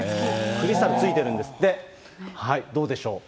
クリスタル付いてるんですって、どうでしょう。